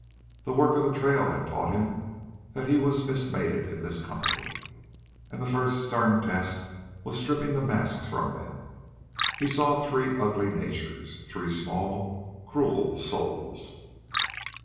The work of the trail had taught him that he was mismated in this company, and the first stern test was stripping the masks from them. He saw three ugly natures, three small, cruel souls.